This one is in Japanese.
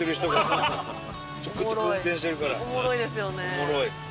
おもろい。